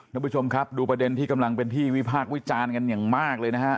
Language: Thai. ท่านผู้ชมครับดูประเด็นที่กำลังเป็นที่วิพากษ์วิจารณ์กันอย่างมากเลยนะฮะ